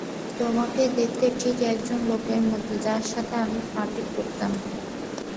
তোমাকে দেখতে ঠিক একজন লোকের মতন যার সাথে আমি পার্টি করতাম।